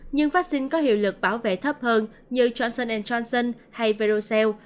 nhưng vaccine có hiệu lực bảo vệ thấp hơn như chanson johnson hay verocell